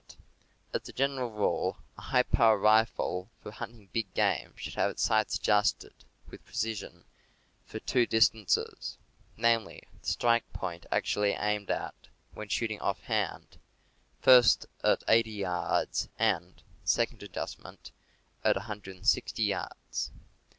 t t^ C^As a general rule, a high power rifle for hunting big^"*^ game should have its sights adjusted, with precision, for two distances, namely, to strike the point actually aimed at, when shooting ofl'hand, first at 80 yards, and (second adjustment) at 160 yards.